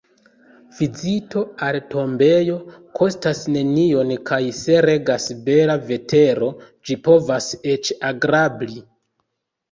Vizito al tombejo kostas nenion kaj, se regas bela vetero, ĝi povas eĉ agrabli.